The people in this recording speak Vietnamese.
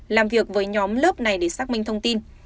làm việc với nhóm lớp này để xác minh thông tin